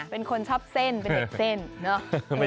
เป็นคนชอบเส้นเป็นเด็กเส้นเนอะ